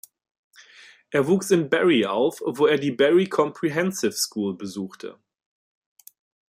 Er wuchs in Barry auf, wo er die "Barry Comprehensive School" besuchte.